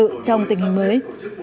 trong tình hình mới